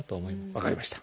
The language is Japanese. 分かりました。